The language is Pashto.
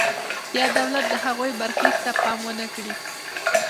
یا دولت د هغوی برخلیک ته پام ونکړي.